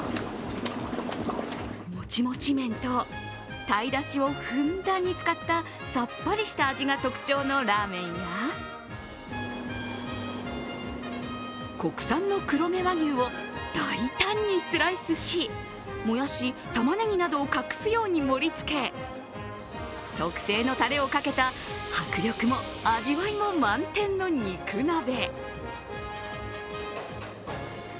もちもち麺と鯛だしをふんだんに使ったさっぱりした味が特徴のラーメンや国産の黒毛和牛を大胆にスライスしもやし、たまねぎなどを隠すように盛りつけ特製のたれをかけた迫力も味わいも満点の肉鍋。